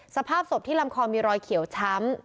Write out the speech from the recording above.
สภาพศพที่ลำคอมีรอยเขียวช้ำ